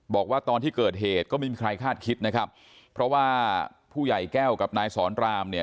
บอกว่าตอนที่เกิดเหตุก็ไม่มีใครคาดคิดนะครับเพราะว่าผู้ใหญ่แก้วกับนายสอนรามเนี่ย